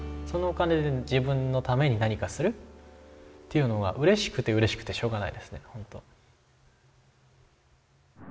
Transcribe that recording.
そのお金で自分のために何かするというのがうれしくてうれしくてしょうがないですねほんと。